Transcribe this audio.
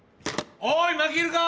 おい真木いるか？